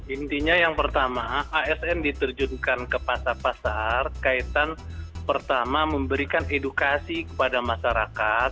intinya yang pertama asn diterjunkan ke pasar pasar kaitan pertama memberikan edukasi kepada masyarakat